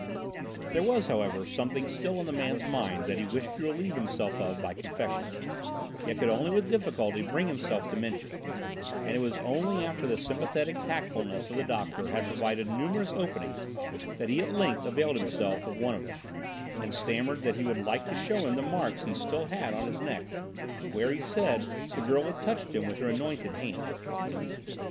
There was, however, something still on the man's mind that he wished to relieve himself of by confession, yet could only with difficulty bring himself to mention; and it was only after the sympathetic tactfulness of the doctor had provided numerous openings that he at length availed himself of one of them, and stammered that he would like to show him the marks he still had on his neck where, he said, the girl had touched him with her anointed hands.